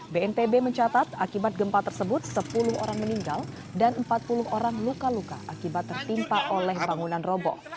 bnpb mencatat akibat gempa tersebut sepuluh orang meninggal dan empat puluh orang luka luka akibat tertimpa oleh bangunan roboh